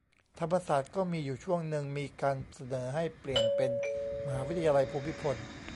ธรรมศาสตร์ก็มีอยู่ช่วงนึง มีการเสนอให้เปลี่ยนเป็น "มหาวิทยาลัยภูมิพล"